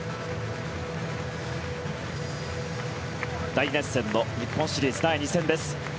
大熱戦の日本シリーズ第２戦です。